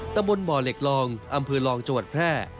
ตำบลบ่อเหล็กลองอำเภอลองจังหวัดแพร่